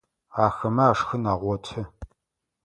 Ахэмэ ашхын агъоты.